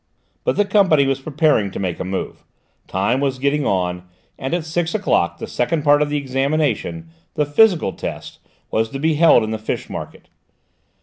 But the company was preparing to make a move. Time was getting on, and at six o'clock the second part of the examination, the physical test, was to be held in the Fish Market.